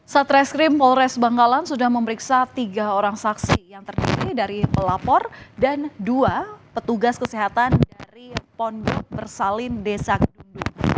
satreskrim polres bangkalan sudah memeriksa tiga orang saksi yang terdiri dari pelapor dan dua petugas kesehatan dari pondok bersalin desa kedundu